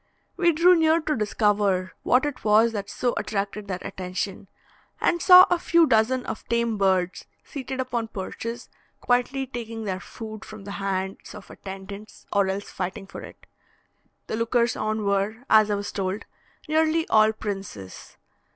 We drew near to discover what it was that so attracted their attention, and saw a few dozen of tame birds seated upon perches quietly taking their food from the hands of attendants, or else fighting for it. The lookers on were, as I was told, nearly all princes.